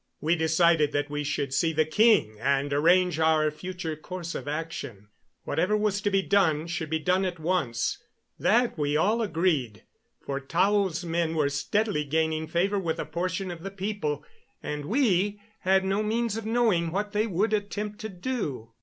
We decided that we should see the king and arrange our future course of action. Whatever was to be done should be done at once that we all agreed for Tao's men were steadily gaining favor with a portion of the people, and we had no means of knowing what they would attempt to do.